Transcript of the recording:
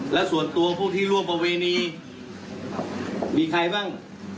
และส่วนตัวผู้ที่ร่วมประเวณีมีใครบ้าง